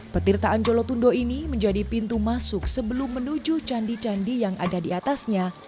petirtaan jolotundo ini menjadi pintu masuk sebelum menuju candi candi yang ada di atasnya